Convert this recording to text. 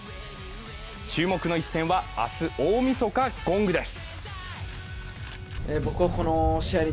注目の一戦は明日大みそか、ゴングです。